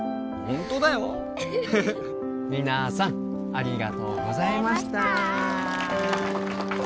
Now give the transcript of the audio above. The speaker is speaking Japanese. ホントだよ皆さんありがとうございました